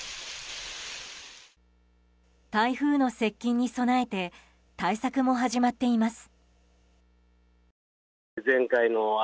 台風の接近に備えて対策も始まっています。